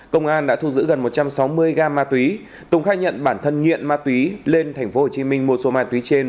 công an đã thu giữ gần một trăm sáu mươi gam ma túy tùng khai nhận bản thân nghiện ma túy lên tp hcm mua số ma túy trên